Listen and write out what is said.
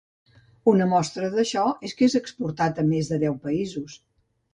Una mostra d'això és que és exportat a més de deu països.